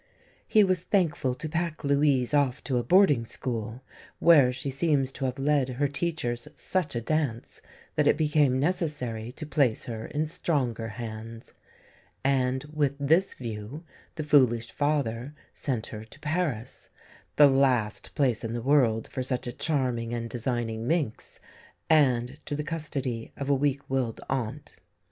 He was thankful to pack Louise off to a boarding school, where she seems to have led her teachers such a dance that it became necessary to place her in stronger hands; and with this view the foolish father sent her to Paris, the last place in the world for such a charming and designing minx, and to the custody of a weak willed aunt.